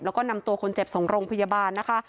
แล้วก็นำตัวคนเจ็บส่งโรงพยาบาลนะคะ